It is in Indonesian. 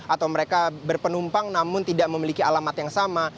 atau mereka berpenumpang namun tidak memiliki alamat yang sama